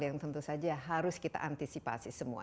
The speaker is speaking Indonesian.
yang tentu saja harus kita antisipasi semua